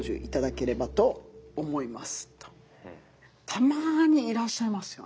たまにいらっしゃいますよね